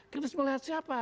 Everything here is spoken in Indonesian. kritis melihat siapa